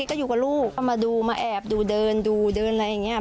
ก็อยู่กับลูกก็มาดูมาแอบดูเดินดูเดินอะไรอย่างนี้